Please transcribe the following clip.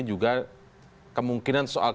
juga kemungkinan soal